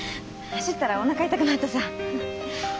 走ったらおなか痛くなったさぁ。